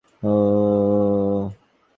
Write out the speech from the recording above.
কী ঘটবে ভেবেছিলে?